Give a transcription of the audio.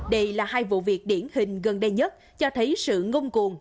đây là hai vụ việc điển hình gần đây nhất cho thấy sự ngông cuồn